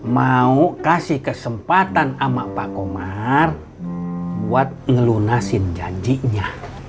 mau kasih kesempatan sama pak komar buat ngelunasin janjinya